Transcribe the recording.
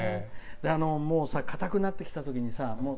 もうさかたくなってきたときにさ